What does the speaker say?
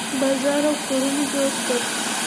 بازار او کورونه جوړ شول.